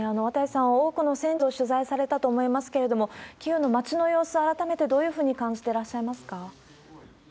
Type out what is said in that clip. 綿井さん、多くの戦地を取材されたと思いますけれども、キーウの街の様子、改めてどういうふうに感じていらっしゃいますか？